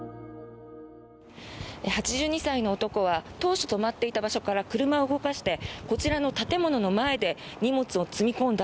８２歳の男は当初、止まっていた場所から車を動かしてこちらの建物の前で荷物を積み込んだ